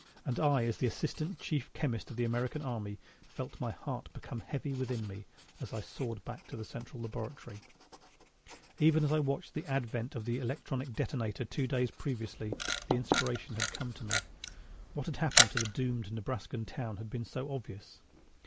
And I, as assistant chief chemist of the American Army, felt my heart become heavy within me as I soared back to the Central Laboratory. Even as I watched the advent of the electronic detonator two days previously the inspiration had come to me. What had happened to the doomed Nebraskan town had been so obvious.